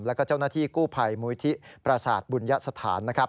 และเจ้าหน้าที่กู้ไผ่มูลทิศประศาสตร์บุญญสถาน